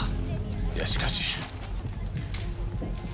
いやしかし。